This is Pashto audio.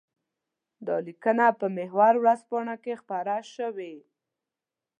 دا لیکنه په محور ورځپاڼه کې خپره شوې.